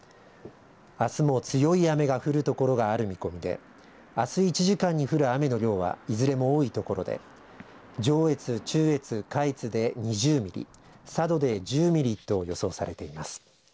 あすも強い雨が降るところがある見込みであす１時間に降る雨の量はいずれも多いところで上越、中越、下越で２０ミリ佐渡で１０ミリと予想されています。